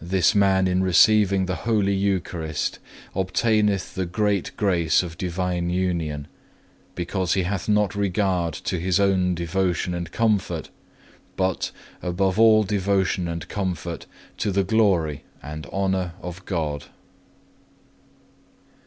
This man in receiving the Holy Eucharist obtaineth the great grace of Divine Union; because he hath not regard to his own devotion and comfort, but, above all devotion and comfort, to the glory and honour of God.